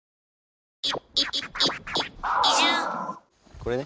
これね。